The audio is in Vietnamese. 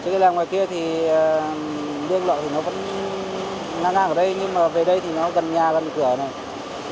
trước đây là ngoài kia thì liên lộ thì nó vẫn ngang ngang ở đây nhưng mà về đây thì nó gần nhà gần cửa này